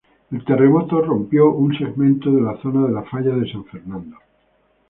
El terremoto rompió un segmento de la zona de la falla de San Fernando.